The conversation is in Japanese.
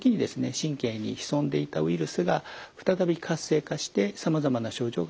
神経に潜んでいたウイルスが再び活性化してさまざまな症状が出る。